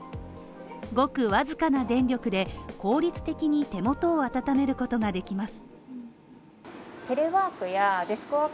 ごくわずかな電力で、効率的に手元を温めることができます。